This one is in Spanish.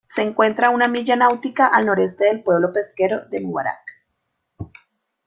Se encuentra a una milla náutica al noroeste del pueblo pesquero de Mubarak.